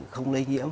không lây nhiễm